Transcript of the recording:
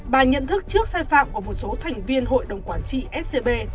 bà nhận thức trước sai phạm của một số thành viên hội đồng quản trị scb